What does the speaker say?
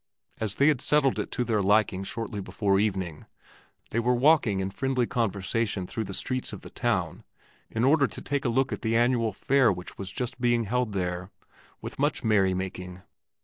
As they had settled it to their liking shortly before evening, they were walking in friendly conversation through the streets of the town in order to take a look at the annual fair which was just being held there with much merry making.